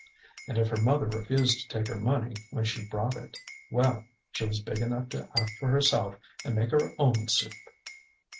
And if her mother refused to take her money when she brought it, well! she was big enough to act for herself and make her own soup.